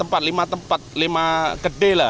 hampir empat tempat lima tempat lima gede lah